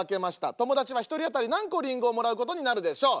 友達は１人当たり何個リンゴをもらうことになるでしょう。